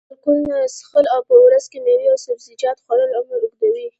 الکول نه څښل او په ورځ کې میوې او سبزیجات خوړل عمر اوږدوي.